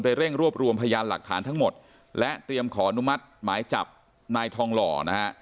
เร่งรวบรวมพยานหลักฐานทั้งหมดและเตรียมขออนุมัติหมายจับนายทองหล่อนะฮะ